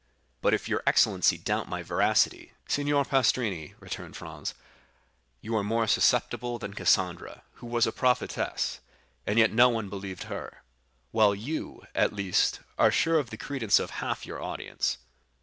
"But if your excellency doubt my veracity——" "Signor Pastrini," returned Franz, "you are more susceptible than Cassandra, who was a prophetess, and yet no one believed her; while you, at least, are sure of the credence of half your audience.